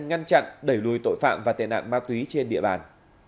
ngăn chặn đẩy lùi tội phạm và tệ nạn ma túy trên địa bàn